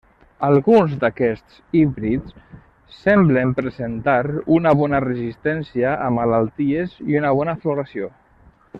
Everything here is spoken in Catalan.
Alguns d'aquests híbrids semblen presentar una bona resistència a malalties i una bona floració.